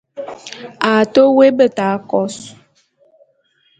A te woé beta kôs.